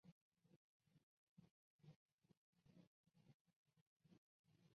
贩售高阶电器用品